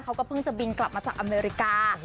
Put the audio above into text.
เขาก็เพิ่งจะบินกลับมาจากอเมริกา